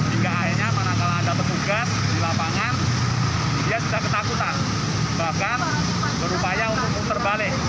hingga akhirnya manakala ada petugas di lapangan dia sudah ketakutan bahkan berupaya untuk putar balik